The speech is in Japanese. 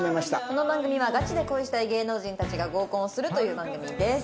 この番組はガチで恋したい芸能人たちが合コンをするという番組です。